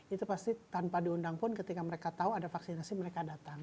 itu pasti tanpa diundang pun ketika mereka tahu ada vaksinasi mereka datang